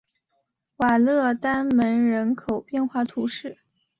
瓦勒丹门人口变化图示